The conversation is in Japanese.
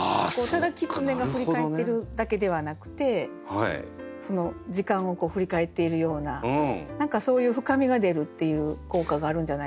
ただキツネが振り返ってるだけではなくて時間を振り返っているような何かそういう深みが出るっていう効果があるんじゃないでしょうか。